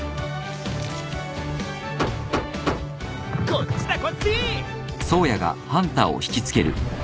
こっちだこっち！